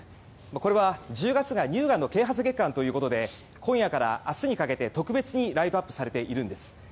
これは１０月が乳がんの啓発月間ということで今夜から明日にかけて特別にライトアップされているんです。